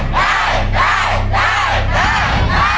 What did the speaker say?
ได้ครับ